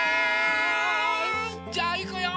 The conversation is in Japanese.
じゃあいくよ。